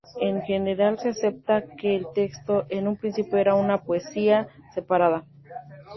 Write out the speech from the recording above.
En general se acepta que el texto en un principio era una poesía separada.